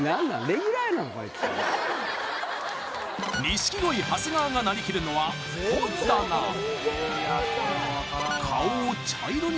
錦鯉長谷川がなりきるのは本棚さらに